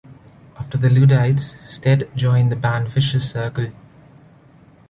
After The Luddites, Stead joined the band Vicious Circle.